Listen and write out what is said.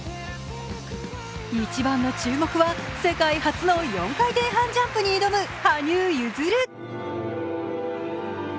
一番の注目は世界初の４回転半ジャンプに挑む羽生結弦。